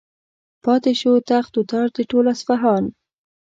پاتې شو تخت و تاج د ټول اصفهان.